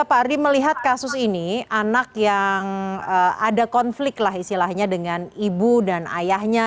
pak ardi melihat kasus ini anak yang ada konflik lah istilahnya dengan ibu dan ayahnya